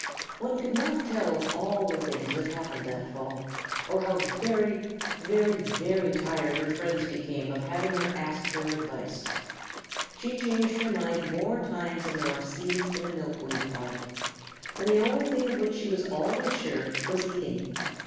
One could not tell all the things that happened that fall, or how very, very, very tired her friends became of having her ask their advice. She changed her mind more times than there are seeds in a milkweed pod, and the only thing of which she was always sure was eating.